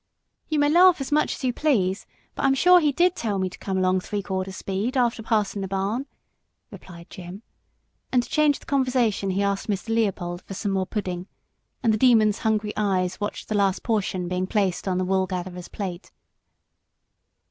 "You may laugh as much as you please, but I'm sure he did tell me to come along three quarter speed after passing the barn," replied Jim, and to change the conversation he asked Mr. Leopold for some more pudding, and the Demon's hungry eyes watched the last portion being placed on the Woolgatherer's plate.